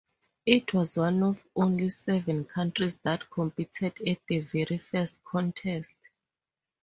It was one of only seven countries that competed at the very first contest.